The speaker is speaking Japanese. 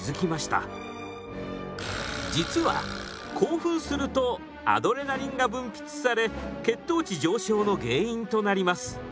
実は興奮するとアドレナリンが分泌され血糖値上昇の原因となります。